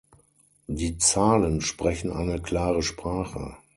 Die Zahlen sprechen eine klare Sprache.